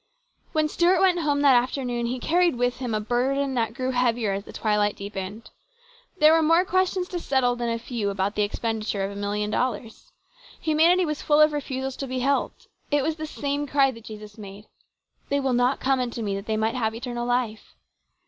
When Stuart went home that afternoon he carried with him a burden that grew heavier as the twilight deepened. There were more questions to settle than a few about the expenditure of a million dollars. Humanity was full of refusals to be helped. It was the same cry that Jesus made, " They will not come unto Me that they might have eternal life."